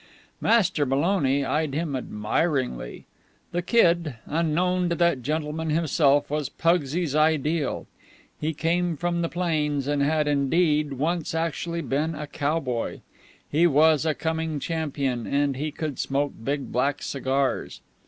Master Maloney eyed him admiringly. The Kid, unknown to that gentleman himself, was Pugsy's ideal. He came from the Plains, and had, indeed, once actually been a cowboy; he was a coming champion; and he could smoke big black cigars.